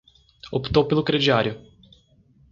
Optou pelo crediário